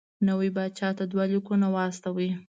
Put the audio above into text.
نوي پاچا ته دوه لیکونه واستوي.